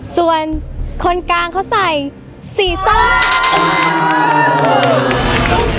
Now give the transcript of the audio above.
ส่วนคนกลางเขาใส่สีส้ม